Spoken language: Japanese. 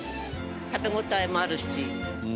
食べ応えもあるし。